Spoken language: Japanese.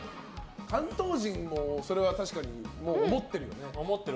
関東人もそれは確かに思ってるよね。